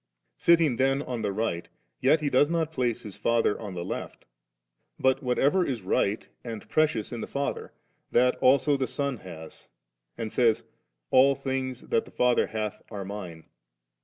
Sitting then on the right, yet He does not place His Father on the left*; but whatever is rights and precious in the Father, that also the Son has, and says, * All things that the Father hath are Mine